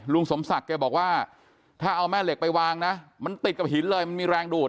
สมศักดิ์แกบอกว่าถ้าเอาแม่เหล็กไปวางนะมันติดกับหินเลยมันมีแรงดูด